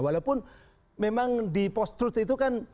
walaupun memang di post truth itu kan